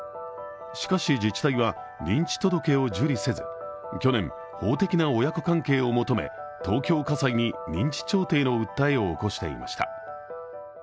しかし、自治体は認知届を受理せず去年、法的な親子関係を求め、東京家裁に認知調停の訴えを起こしていました。